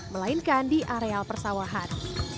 melainkan di areal persawahan